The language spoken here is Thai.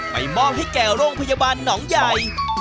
มอบให้แก่โรงพยาบาลหนองใหญ่